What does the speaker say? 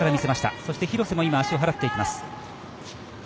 そして廣瀬も今足を払っていきます。